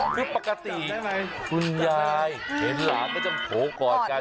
ทุกปกติคุณยายเห็นหลาก็จะโผล่กอดกัน